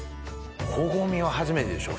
コゴミは初めてでしょ？